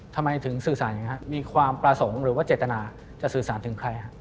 ทำไมถึงสื่อสารอย่างนี้ครับมีความประสงค์หรือว่าเจตนาจะสื่อสารถึงใครครับ